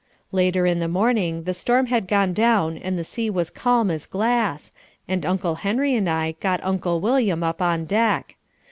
Later in the morning the storm had gone down and the sea was calm as glass, and Uncle Henry and I got Uncle William up on deck.